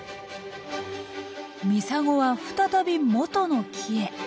ミサゴは再び元の木へ。